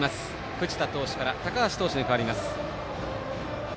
藤田投手から高橋投手に代わります。